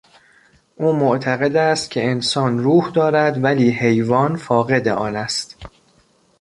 او معتقد است که انسان روح دارد ولی حیوان فاقد آن است.